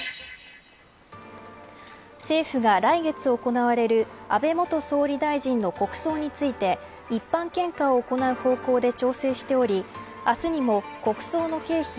政府が来月行われる安倍元総理大臣の国葬について一般献花を行う方向で調整しており明日にも、国葬の経費